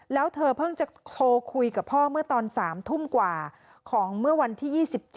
แล้วเธอเพิ่งจะโทรคุยกับพ่อเมื่อตอน๓ทุ่มกว่าของเมื่อวันที่๒๗